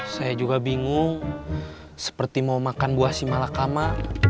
saya juga bingung seperti mau makan buah si malakama